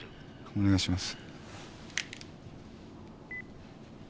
お願いします。